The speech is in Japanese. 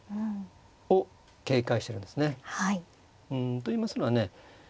といいますのはね